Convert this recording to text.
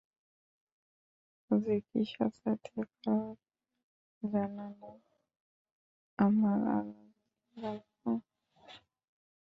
রোজই কি সাঁতার দিয়ে পার হবে, আর জানলায় আমার আলো জ্বালিয়ে রাখব।